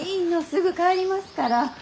すぐ帰りますから。